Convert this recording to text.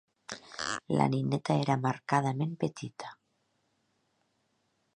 La nineta era marcadament petita.